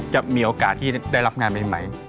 จะมีโอกาสที่ได้รับงานใหม่